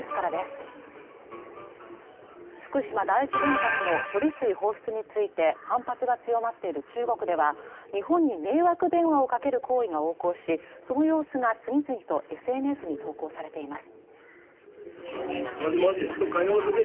福島第一原発の処理水放出について反発が強まっている中国では、日本に迷惑電話をかける行為が横行し、その様子が次々とＳＮＳに投稿されています。